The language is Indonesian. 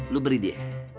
lu beri dia